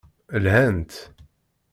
Lhant.